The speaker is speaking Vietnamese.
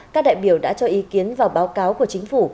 các đại biểu đã cho ý kiến vào báo cáo của chính phủ